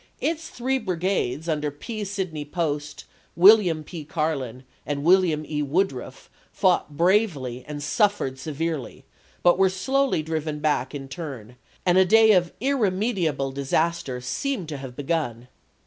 Its three brigades under P. Sidney Post, William P. Carlin, and William E. Woodruff fought bravely and suffered severely, but were slowly driven back in turn, and a day of irremedi able disaster seemed to have begun.